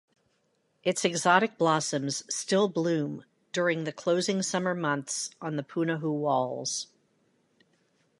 Its exotic blossoms still bloom during the closing summer months on the Punahou walls.